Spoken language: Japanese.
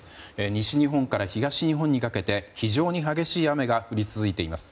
西日本から東日本にかけて非常に激しい雨が降り続いています。